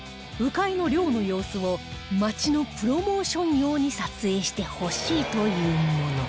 鵜飼いの漁の様子を町のプロモーション用に撮影してほしいというもの